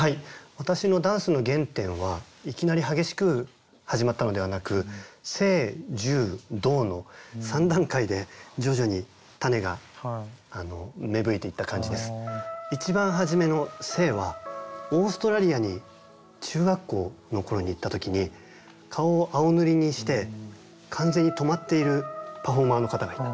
私のダンスの原点はいきなり激しく始まったのではなく一番初めの「静」はオーストラリアに中学校の頃に行った時に顔を青塗りにして完全に止まっているパフォーマーの方がいた。